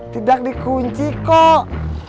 tidak dikunci kok